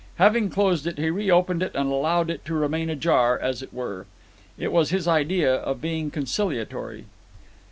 Having closed it, he reopened it and allowed it to remain ajar, as it were. It was his idea of being conciliatory.